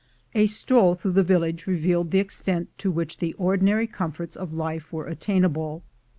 A stroll through the village revealed the extent to which the ordinary comforts of life were attainable.